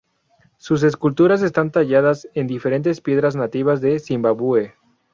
Sus esculturas están talladas en diferentes piedras nativas de Zimbabue.